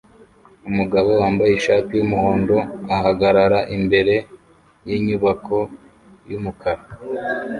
Umugabo wambaye ishati yumuhondo ahagarara imbere yinyubako yumukara